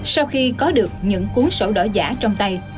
sau khi có được những cuốn sổ đỏ giả trong tay